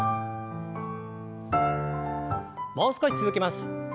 もう少し続けます。